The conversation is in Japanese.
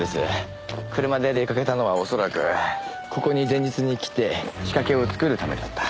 車で出掛けたのはおそらくここに前日に来て仕掛けを作るためだった。